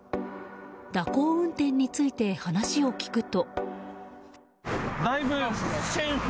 蛇行運転について話を聞くと。